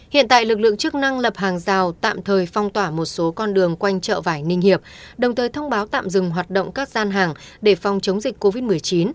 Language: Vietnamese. hiện tại lực lượng chức năng lập hàng rào tạm thời phong tỏa một số con đường quanh chợ vải ninh hiệp đồng thời thông báo tạm dừng hoạt động các gian hàng để phòng chống dịch covid một mươi chín